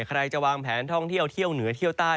ใครจะวางแผนท่องเที่ยวเที่ยวเหนือเที่ยวใต้